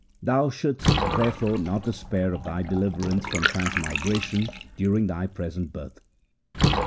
Thou shouldst therefore not despair of thy deliverance from transmigration during thy present birth.'